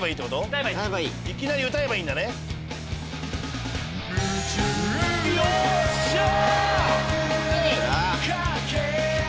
いきなり歌えばいいんだ。よっしゃ！